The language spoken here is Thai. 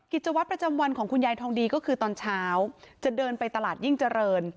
กิจวัตรประจำวันของคุณยายทองดีก็คือตอนเช้าจะเดินไปตลาดยิ่งเจริญ